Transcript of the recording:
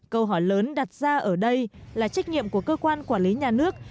câu hỏi lớn đặt ra ở đây là trách nhiệm của cơ quan quản lý nhà nước